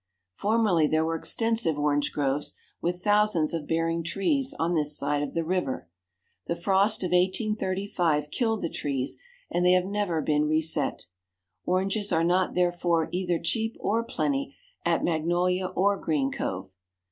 Formerly there were extensive orange groves, with thousands of bearing trees, on this side of the river. The frost of 1835 killed the trees, and they have never been reset. Oranges are not, therefore, either cheap or plenty at Magnolia or Green Cove.